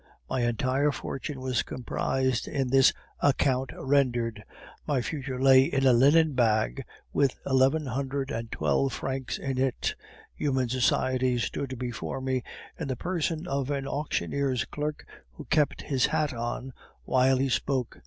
My entire fortune was comprised in this 'account rendered,' my future lay in a linen bag with eleven hundred and twelve francs in it, human society stood before me in the person of an auctioneer's clerk, who kept his hat on while he spoke.